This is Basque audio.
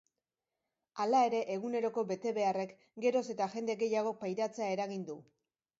Hala ere, eguneroko betebeharrek geroz eta jende gehiagok pairatzea eragin du.